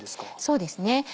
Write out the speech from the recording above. そうですね。